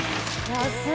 安い！